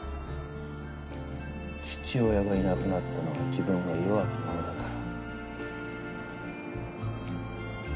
父親がいなくなったのは自分が弱き者だから。